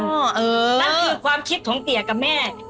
นั่นคือความคิดของเตี๋ยกับแม่